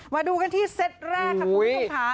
มาดูกันที่เซตแรกค่ะคุณผู้ชมค่ะ